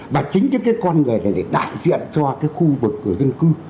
và chính cái con người này để đại diện cho cái khu vực của dân cư